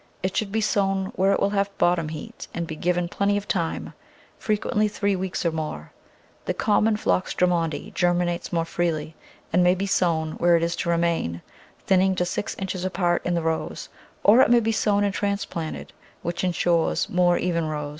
It should be sown where it will have bottom heat and be given plenty of time, frequently three weeks or more. The common Phlox Drummondi germinates more freely, and may be sown where it is to remain, thinning to six inches apart in the rows, or it may be sown and trans planted, which insures more even rows.